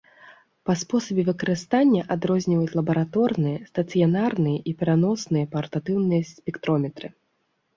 Па спосабе выкарыстання адрозніваюць лабараторныя, стацыянарныя і пераносныя партатыўныя спектрометры.